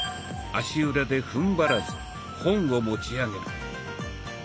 足裏でふんばらず本を持ち上げる。